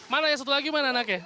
mana ya satu lagi main anaknya